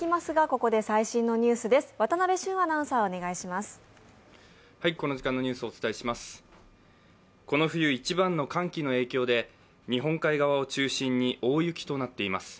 この冬一番の寒気の影響で日本海側を中心に大雪となっています。